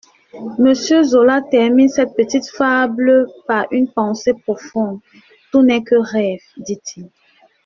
Monsieur Zola termine cette petite fable par une pensée profonde : «Tout n'est que rêve», dit-il.